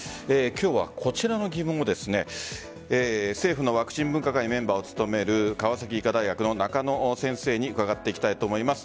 今日はこちらの疑問を政府のワクチン分科会メンバーを務める、川崎医科大学の中野先生に伺っていきたいと思います。